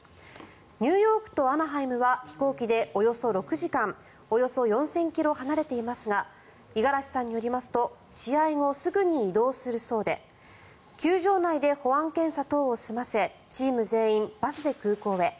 ニューヨークとアナハイムは飛行機でおよそ６時間およそ４０００ｋｍ離れていますが五十嵐さんによりますと試合後すぐに移動するそうで球場内で保安検査等を済ませチーム全員、バスで空港へ。